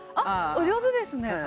お上手ですね。